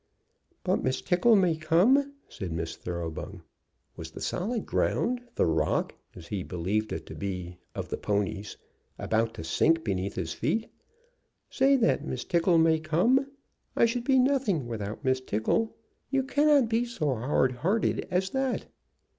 "But Miss Tickle may come?" said Miss Thoroughbung. Was the solid ground the rock, as he believed it to be, of the ponies, about to sink beneath his feet? "Say that Miss Tickle may come. I should be nothing without Miss Tickle. You cannot be so hard hearted as that."